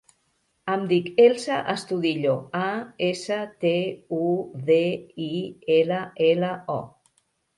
Em dic Elsa Astudillo: a, essa, te, u, de, i, ela, ela, o.